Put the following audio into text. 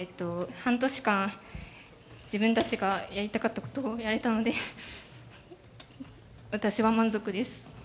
半年間自分たちがやりたかったことをやれたので私は満足です。